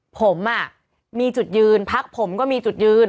ผมมีจุดยืนพักผมก็มีจุดยืน